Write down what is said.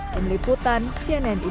pemeliputan cnn indonesia